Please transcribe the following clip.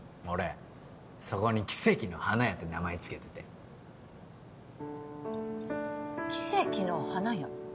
俺そこに奇石の花屋って名前付けててキセキの花屋？